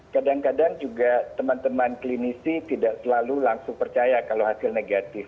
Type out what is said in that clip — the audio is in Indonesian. kadang kadang juga teman teman klinisi tidak selalu langsung percaya kalau hasil negatif